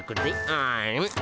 あん。